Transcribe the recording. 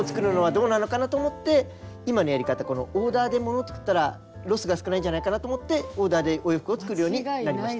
どうなのかなと思って今のやり方このオーダーで物作ったらロスが少ないんじゃないかと思ってオーダーでお洋服を作るようになりました。